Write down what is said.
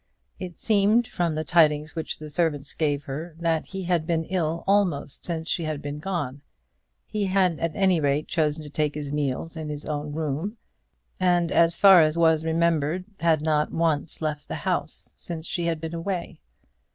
It seemed, from the tidings which the servant gave her, that he had been ill almost since she had been gone. He had, at any rate, chosen to take his meals in his own room, and as far as was remembered, had not once left the house since she had been away.